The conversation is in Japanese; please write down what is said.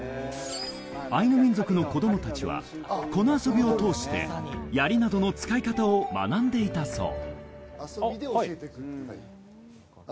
アイヌ民族の子供たちはこの遊びを通して槍などの使い方を学んでいたそう。